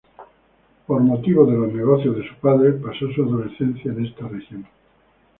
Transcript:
Por motivo de los negocios de su padre, pasó su adolescencia en esta región.